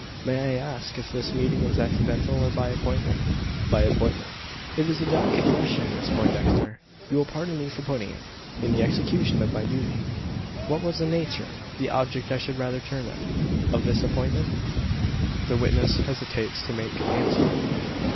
"May I ask if this meeting was accidental, or by appointment?" "By appointment." "It is a delicate question, Miss Poindexter; you will pardon me for putting it in the execution of my duty: What was the nature the object I should rather term it of this appointment?" The witness hesitates to make answer.